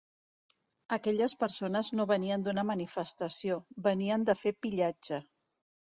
Aquestes persones no venien d’una manifestació, venien de fer pillatge.